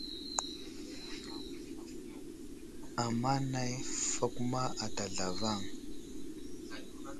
Ama nay nəfakuma ata zlavaŋ.